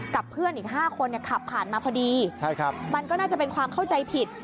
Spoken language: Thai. กับเพื่อนอีก๕คนขับผ่านมาพอดีมันก็น่าจะเป็นความเข้าใจผิด